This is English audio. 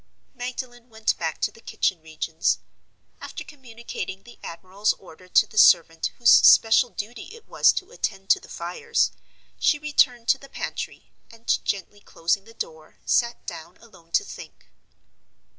Magdalen went back to the kitchen regions. After communicating the admiral's order to the servant whose special duty it was to attend to the fires, she returned to the pantry, and, gently closing the door, sat down alone to think.